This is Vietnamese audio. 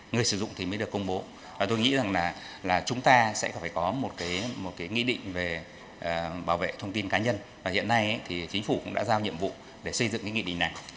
người sử dụng thì mới được công bố và tôi nghĩ rằng là chúng ta sẽ còn phải có một cái nghị định về bảo vệ thông tin cá nhân và hiện nay thì chính phủ cũng đã giao nhiệm vụ để xây dựng cái nghị định này